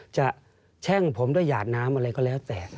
แช่งผมด้วยหยาดน้ำอะไรก็แล้วแต่